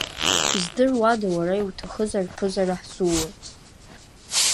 Издыруада, уара иуҭахызар ԥызара ҳзуурц?